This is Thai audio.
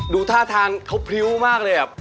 ดูท่าทางเขาพริ้วมากเลย